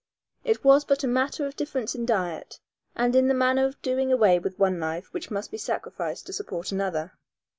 It was but a matter of difference in diet and in the manner of doing away with one life which must be sacrificed to support another.